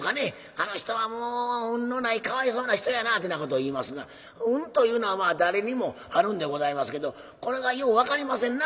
「あの人はもう運のないかわいそうな人やな」ってなことを言いますが運というのは誰にもあるんでございますけどこれがよう分かりませんな。